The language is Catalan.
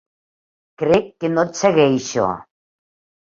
Crec que no et segueixo.